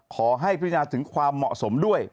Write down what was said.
ขอให้พิจารณาถึงความเหมาะสมด้วย